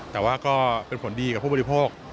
แต่ว่าก็เป็นผลดีกับผู้ปฏิพกิจ